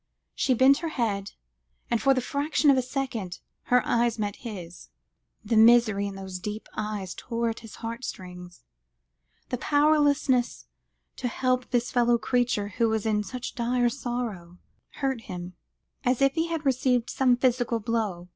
She bent her head, and for the fraction of a second, her eyes met his. The misery in those deep eyes tore at his heart strings; his powerlessness to help this fellow creature who was in such dire sorrow, hurt him, as if he had received some physical blow.